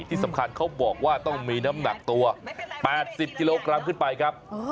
ที่สำคัญเขาบอกว่าต้องมีน้ำหนักตัว๘๐กิโลกรัมขึ้นไปครับ